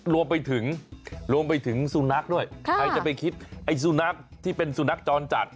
รวมไปถึงซูนัสด้วยใครจะไปคิดไอซูนัสที่เป็นซูนัสจรจัด